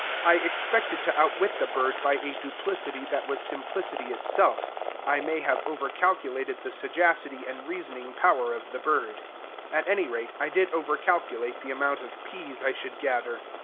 I expected to outwit the bird by a duplicity that was simplicity itself I may have over calculated the sagacity and reasoning power of the bird. At any rate, I did over calculate the amount of peas I should gather.